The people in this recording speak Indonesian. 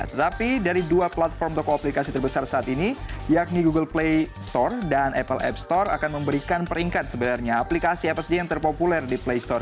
tetapi dari dua platform toko aplikasi terbesar saat ini yakni google play store dan apple app store akan memberikan peringkat sebenarnya aplikasi apa saja yang terpopuler di play store